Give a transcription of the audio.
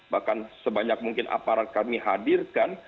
bahkan sebanyak mungkin aparat kami hadirkan